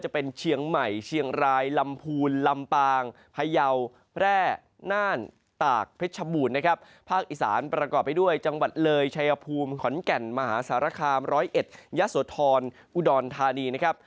เผยชัยภูมิขอนแก่นมหาศาลคาม๑๐๑ยสธรอุดรธานีนะครับ